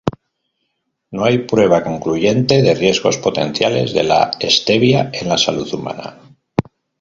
No hay prueba concluyente de riesgos potenciales de la stevia en la salud humana.